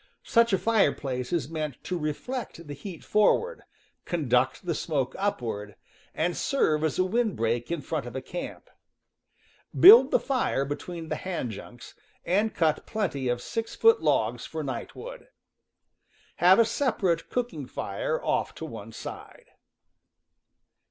Such a fireplace is meant to reflect the heat forward, conduct the smoke upward, and serve as a windbreak in front of camp. Build the fire between the hand junks, and cut plenty of six foot logs for night wood. Have a separate cooking fire off to one side.